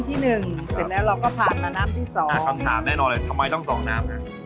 ทำไมต้องสองน้ำ